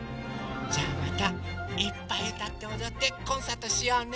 じゃあまたいっぱいうたっておどってコンサートしようね。